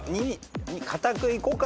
堅くいこうか。